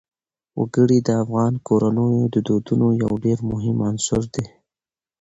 وګړي د افغان کورنیو د دودونو یو ډېر مهم عنصر دی.